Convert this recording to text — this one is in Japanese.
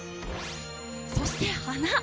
そして花！